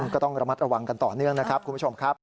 ก็ต้องระมัดระวังกันต่อเนื่องนะครับคุณผู้ชมครับ